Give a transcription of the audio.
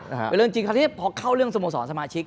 เป็นเรื่องจริงคราวนี้พอเข้าเรื่องสโมสรสมาชิก